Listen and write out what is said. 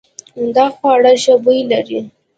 دا خوړو ښه بوی لري.